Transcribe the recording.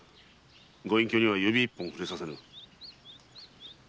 ご隠居には指一本触れさせぬ。